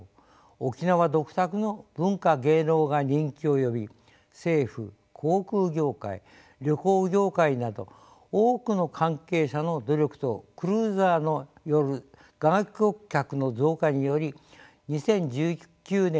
沖縄独特の文化芸能が人気を呼び政府航空業界旅行業界など多くの関係者の努力とクルーザーによる外国客の増加により２０１９年には１，０００万人を突破しました。